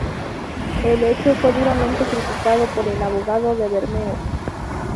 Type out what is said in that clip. El hecho fue duramente criticado por el abogado de Bermeo.